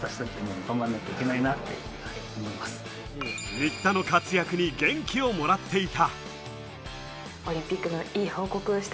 新田の活躍に元気をもらっていた。